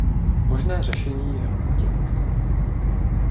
Možné řešení je útěk.